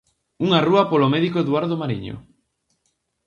Unha rúa polo médico Eduardo mariño.